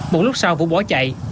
một lúc sau vũ bỏ chạy